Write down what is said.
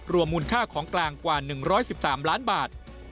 มูลค่าของกลางกว่า๑๑๓ล้านบาท